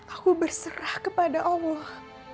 aku berserah kepada allah